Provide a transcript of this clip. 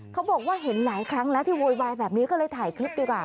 เขาบอกว่าเห็นหลายครั้งแล้วที่โวยวายแบบนี้ก็เลยถ่ายคลิปดีกว่า